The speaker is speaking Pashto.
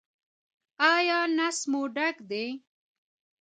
ایا نس مو ډک دی؟